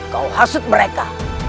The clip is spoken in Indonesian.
kau hasut mereka